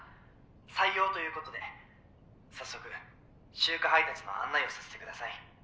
採用ということで早速集荷配達の案内をさせてください。